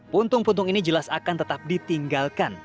puntung puntung ini jelas akan tetap ditinggalkan